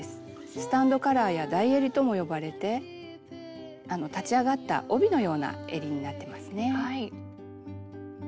「スタンドカラー」や「台えり」とも呼ばれて立ち上がった帯のようなえりになってますね。